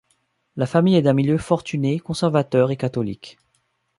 La famille est d’un milieu fortuné, conservateur et catholique.